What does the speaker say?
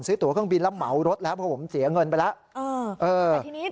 ตัวเครื่องบินแล้วเหมารถแล้วเพราะผมเสียเงินไปแล้ว